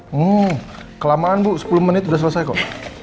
hmm kelamaan bu sepuluh menit sudah selesai kok